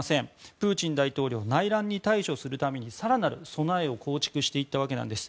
プーチン大統領は内乱に対処するために更なる備えを構築していったわけなんです。